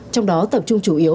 trong đó tập trung chủ yếu